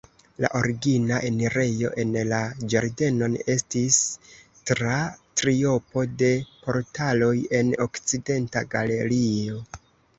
La origina enirejo en la ĝardenon estis tra triopo de portaloj en okcidenta galerio.